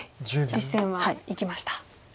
実戦はいきました。